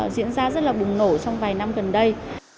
diễn ra rất là bùng nổ trong vài năm gần đây